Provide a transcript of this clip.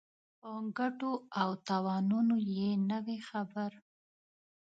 په ګټو او تاوانونو یې نه وي خبر.